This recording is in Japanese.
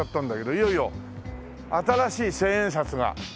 いよいよ新しい千円札がねえ。